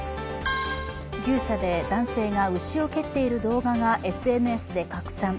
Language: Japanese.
牛舎で男性が牛を蹴っている動画がＳＮＳで拡散。